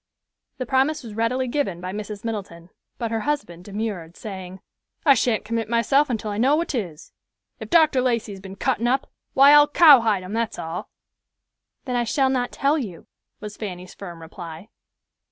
The promise was readily given by Mrs. Middleton, but her husband demurred, saying, "I shan't commit myself until I know what 'tis. If Dr. Lacey has been cuttin' up, why I'll cowhide him, that's all." "Then I shall not tell you," was Fanny's firm reply.